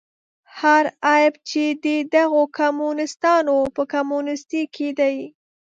هر عیب چې دی د دغو کمونیستانو په کمونیستي کې دی.